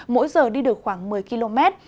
mỗi giờ đi được khoảng một mươi km